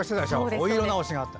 お色直しがあって。